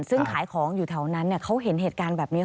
ซึ่งขายของอยู่แถวนั้นเขาเห็นเหตุการณ์แบบนี้